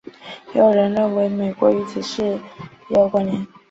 也有人认为美国与此事也有关连。